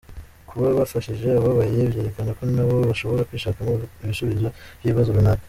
Kuba bafashije abababaye byerekana ko na bo bashobora kwishakamo ibisubizi by’ibibazo runaka”.